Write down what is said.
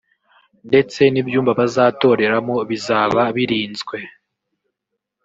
ndetse n’ibyumba bazatoreramo bizaba birinzwe